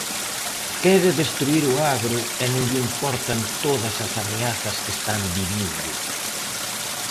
Quere destruír o agro e non lle importan todas as ameazas que están vivindo.